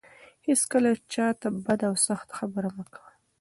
هيڅکله چا ته بده او سخته خبره مه کوه.